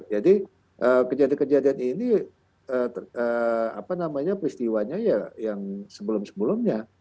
jadi kejadian kejadian ini apa namanya peristiwanya ya yang sebelum sebelumnya